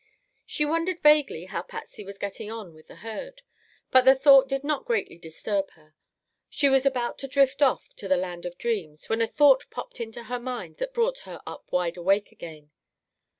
She wondered vaguely how Patsy was getting on with the herd, but the thought did not greatly disturb her. She was about to drift off to the land of dreams, when a thought popped into her mind that brought her up wide awake again.